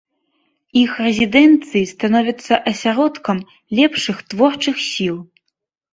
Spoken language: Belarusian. Іх рэзідэнцыі становяцца асяродкам лепшых творчых сіл.